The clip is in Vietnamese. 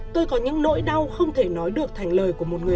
tôi có những nỗi đau không thể nói được thành lời của một người